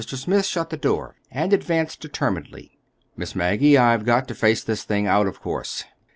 Smith shut the door and advanced determinedly. "Miss Maggie, I've got to face this thing out, of course.